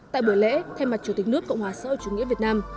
tại buổi lễ thay mặt chủ tịch nước cộng hòa xã hội chủ nghĩa việt nam